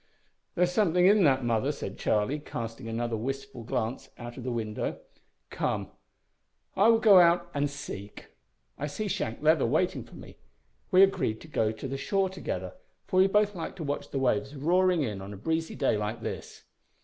"There's something in that, mother," said Charlie, casting another wistful glance out of the window. "Come, I will go out and `seek'! I see Shank Leather waiting for me. We agreed to go to the shore together, for we both like to watch the waves roaring in on a breezy day like this."